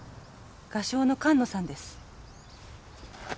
画商の菅野さんです。